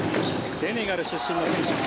セネガル出身の選手。